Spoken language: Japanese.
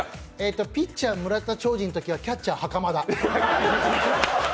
ピッチャー・村田長治のときはキャッチャー・袴田。